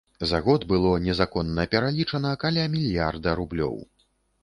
За год было незаконна пералічана каля мільярда рублёў.